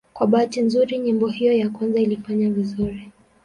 Kwa bahati nzuri nyimbo hiyo ya kwanza ilifanya vizuri.